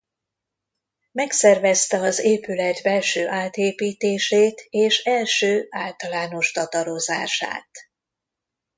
Megszervezte az épület belső átépítését és első általános tatarozását.